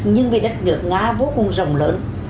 nhưng vì đất nước nga vô cùng rộng lớn